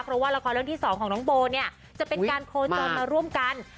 เพราะว่าละครเรื่องที่๒ของน้องโบเนี่ยจะเป็นการโคจรมาร่วมกัน